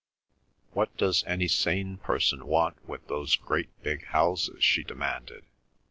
"What does any sane person want with those great big houses?" she demanded.